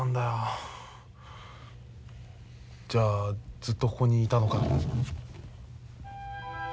じゃあずっとここにいたのか？